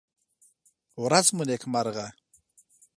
ورڅ مو نېکمرغه!